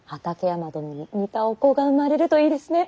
畠山殿に似たお子が生まれるといいですね。